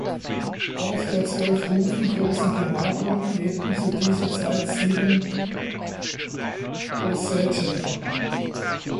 Auf der zwölf Hufen großen Gemarkung lebten zu dieser Zeit sieben Kossäten.